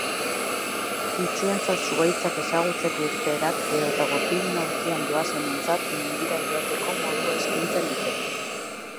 Itsuentzat zuhaitzak ezagutzeko irteerak edota gurpildun aulkian doazenentzat mendiara joateko modua eskaintzen dute.